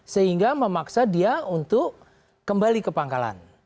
sehingga memaksa dia untuk kembali ke pangkalan